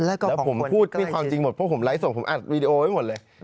แล้วผมพูดด้วยความจริงหมดเพราะผมไลฟ์ส่งผมอัดวีดีโอไว้หมดเลย